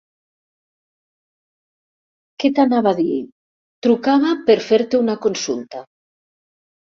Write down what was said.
Què t'anava a dir, trucava per fer-te una consulta.